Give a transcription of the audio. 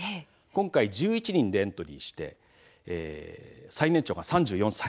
今回１１人でエントリーして最年長が３４歳。